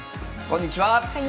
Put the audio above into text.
こんにちは。